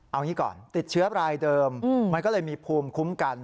เอางี้ก่อนติดเชื้อรายเดิมมันก็เลยมีภูมิคุ้มกัน